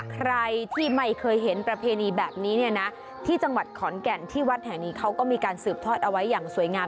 ใครที่ไม่เคยเห็นประเพณีแบบนี้เนี่ยนะที่จังหวัดขอนแก่นที่วัดแห่งนี้เขาก็มีการสืบทอดเอาไว้อย่างสวยงาม